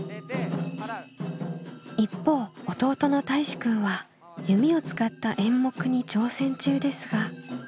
一方弟のたいしくんは弓を使った演目に挑戦中ですが。